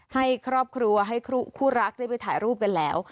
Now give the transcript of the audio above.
ให้ครอบครัวให้คู่รักได้ไปถ่ายรูปกันแล้ว